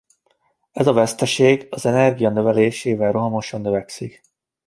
Ez a veszteség az energia növelésével rohamosan növekszik.